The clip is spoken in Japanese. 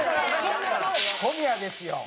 小宮ですよ。